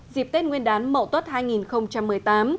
dịp tết nguyên đán mẫu tốt hai nghìn một mươi tám